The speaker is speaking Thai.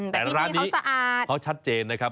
แต่ร้านนี้เขาชัดเจนนะครับ